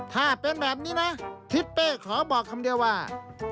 ถ้าเป็นแบบนี้นะทิศเป้ขอบอกคำเดียวว่า